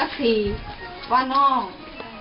ว่าน้องจมพู่ไม่เคยเรียกตัวเองว่าน้องใครว่าน้องสักที